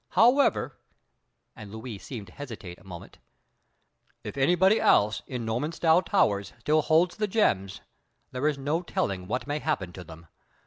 However," and Louis seemed to hesitate a moment, "if anybody else in Normanstow Towers still holds the gems, there is no telling what may happen to them.